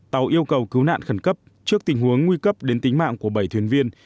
tàu yêu cầu cứu nạn khẩn cấp trước tình huống nguy cấp đến tính mạng của bảy thuyền viên